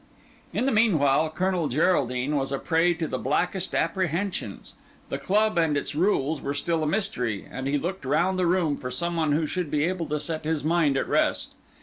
In the meanwhile Colonel Geraldine was a prey to the blackest apprehensions; the club and its rules were still a mystery, and he looked round the room for some one who should be able to set his mind at rest.